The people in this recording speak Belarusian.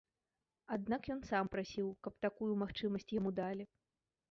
Аднак ён сам прасіў, каб такую магчымасць яму далі.